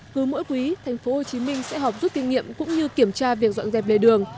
cứ mỗi quý tp hcm sẽ học rút tiền nghiệm cũng như kiểm tra việc dọn dẹp đề đường